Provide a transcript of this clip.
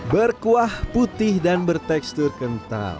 berkuah putih dan bertekstur kental